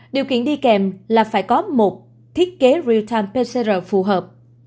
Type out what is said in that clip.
điều kiện đi kèm là phải có một thiết kế real time pcr phù hợp